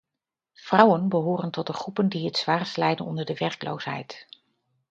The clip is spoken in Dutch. Vrouwen behoren tot de groepen die het zwaarst lijden onder de werkloosheid.